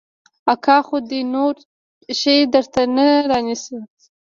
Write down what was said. اکا خو دې نور شى درته نه رانيسي.